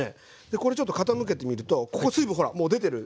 これちょっと傾けてみるとここ水分ほらもう出てる。